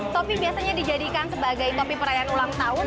topi biasanya dijadikan sebagai topi perayaan ulang tahun